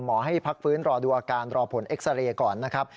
ให้พักฟื้นรอดูอาการรอผลเอ็กซาเรย์ก่อนนะครับ